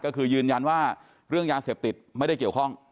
ก็คือยืนยันว่าเรื่องยาเสพติดไม่ได้เกี่ยวข้อง